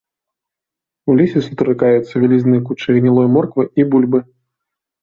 У лесе сустракаюцца вялізныя кучы гнілой морквы і бульбы.